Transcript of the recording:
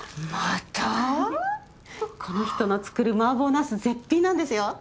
この人の作るマーボナス絶品なんですよ。